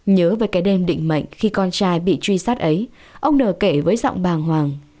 nhớ về cái đêm định mệnh khi con trai bị truy sát ấy ông n kể với giọng bàng hoàng